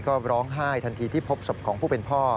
ก็ร้องไห้ทันทีที่พบศพของผู้เป็นพ่อ